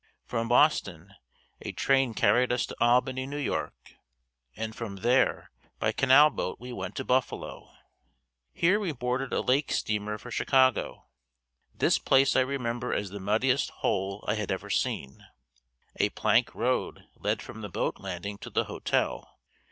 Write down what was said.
From Boston, a train carried us to Albany, New York, and from there by canal boat we went to Buffalo. Here we boarded a lake steamer for Chicago. This place I remember as the muddiest hole I had ever seen. A plank road led from the boat landing to the hotel.